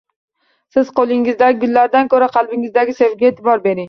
Siz qo‘lingizdagi gullardan ko‘ra qalbingizdagi sevgiga e’tibor bering.